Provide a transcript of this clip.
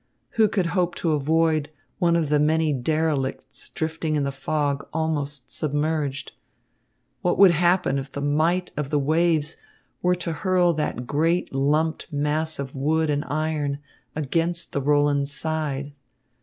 Who could hope to avoid one of the many derelicts drifting in the fog almost submerged? What would happen if the might of the waves were to hurl that great lumped mass of wood and iron against the Roland's side?